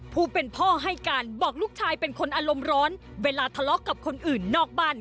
ผู้เป็นพ่อให้การบอกลูกชายเป็นคนอารมณ์ร้อนเวลาทะเลาะกับคนอื่นนอกบ้าน